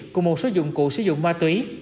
cùng một số dụng cụ sử dụng ma túy